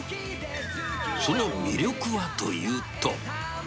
その魅力はというと。